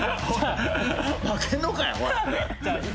負けんのかよおい。